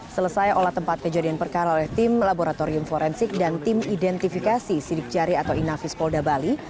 selesai olah tempat kejadian perkara oleh tim laboratorium forensik dan tim identifikasi sidik jari atau inafis polda bali